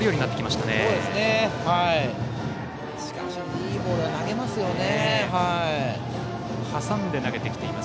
しかし、いいボールを投げますよね。